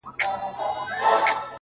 زړه مي د اشنا په لاس کي وليدی!!